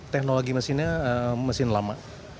teknologi mesinnya mesin lama